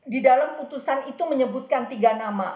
di dalam putusan itu menyebutkan tiga nama